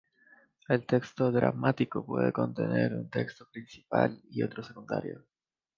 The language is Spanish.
El texto dramático puede contener un texto principal y otro secundario.